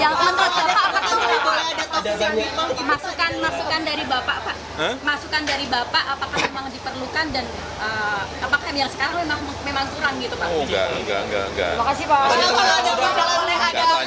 kalau ada masalah enggak enggak